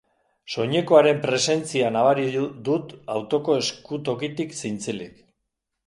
Soinekoaren presentzia nabari dut autoko eskutokitik zintzilik.